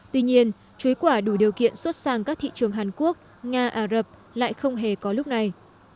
tuy nhiên chuối quả đủ điều kiện xuất sang các thị trường hàn quốc nga ả rập lại không hề có lúc này